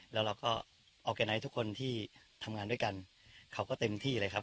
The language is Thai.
แล้วเราก็ออร์แกไนท์ทุกคนที่ทำงานด้วยกันเขาก็เต็มที่เลยครับ